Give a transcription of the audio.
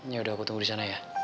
yaudah aku tunggu di sana ya